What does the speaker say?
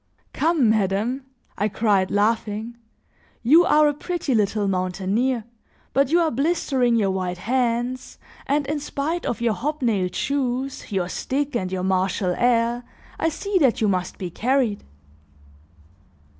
"Come, madame," I cried, laughing, "you are a pretty little mountaineer, but you are blistering your white hands and in spite of your hobnailed shoes, your stick and your martial air, I see that you must be carried."